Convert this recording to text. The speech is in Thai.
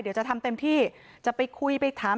เดี๋ยวจะทำเต็มที่จะไปคุยไปถาม